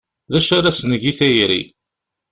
D acu ara s-neg i tayri?